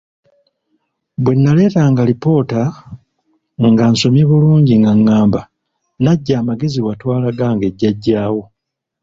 Bwe naleetanga lipoota nga nsomye bulungi ng'agamba; "Najja amagezi watwala gange Jjajja wo!"